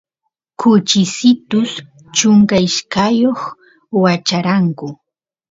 kuchisitus chunka ishkayoq wacharanku